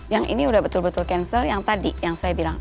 yang ini udah betul betul cancel yang tadi yang saya bilang